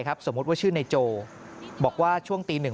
มันมีปืนมันมีปืน